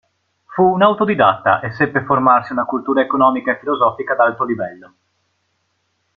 Fu un autodidatta e seppe formarsi una cultura economica e filosofica d’alto livello.